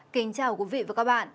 kính chào quý vị và các bạn